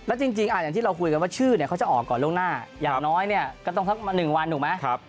และจริงอาจอย่างที่เราคุยกันว่าชื่อเขาจะออกก่อนเรื่องหน้าอย่างน้อยก็ต้องทักมา๑วันถูกไหมครับ